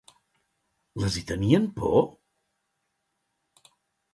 Les hi tenien por?